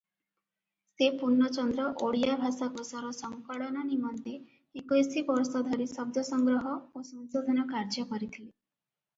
ସେ ପୂର୍ଣ୍ଣଚନ୍ଦ୍ର ଓଡ଼ିଆ ଭାଷାକୋଷର ସଂକଳନ ନିମନ୍ତେ ଏକୋଇଶି ବର୍ଷ ଧରି ଶବ୍ଦ ସଂଗ୍ରହ ଓ ସଂଶୋଧନ କାର୍ଯ୍ୟ କରିଥିଲେ ।